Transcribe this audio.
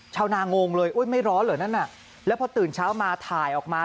ชาวนางงเลยอุ๊ยไม่ร้อนเหรอนั่นน่ะแล้วพอตื่นเช้ามาถ่ายออกมา